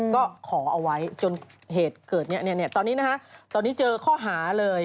ก็ขอเอาไว้จนเหตุเกิดตอนนี้นะฮะตอนนี้เจอข้อหาเลย